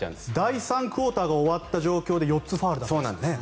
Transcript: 第３クオーターが終わった状況で４つファウルだったんですね。